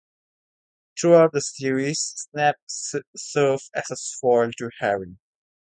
Throughout the series, Snape serves as a foil to Harry.